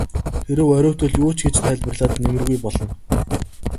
Хэрэв оройтвол юу ч гэж тайлбарлаад нэмэргүй болно.